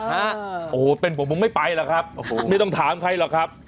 โอ้โหเป็นผมผมไม่ไปหรอกครับโอ้โหไม่ต้องถามใครหรอกครับ